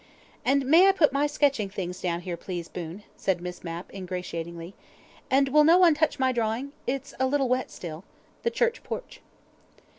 "And may I put my sketching things down here, please, Boon," said Miss Mapp ingratiatingly. "And will no one touch my drawing. It's a little wet still. The church porch."